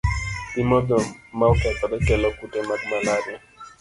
Pi modho ma okethore kelo kute mag malaria.